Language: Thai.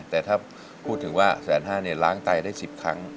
แต่ถ้าพูดถึงว่าแสนห้าเนี่ยล้างไตได้สิบครั้ง